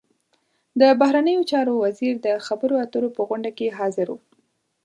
د بهرنیو چارو وزیر د خبرو اترو په غونډه کې حاضر و.